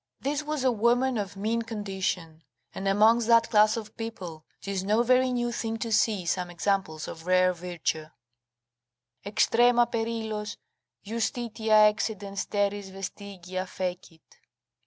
This was a woman of mean condition; and, amongst that class of people, 'tis no very new thing to see some examples of rare virtue: "Extrema per illos Justitia excedens terris vestigia fecit."